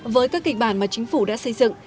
với các kịch bản mà chính phủ đã xây dựng